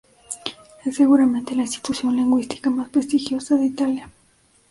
Es seguramente la institución lingüística más prestigiosa de Italia.